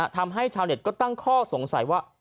ทำให้ชาวเน็ตก็ตั้งข้อสงสัยว่า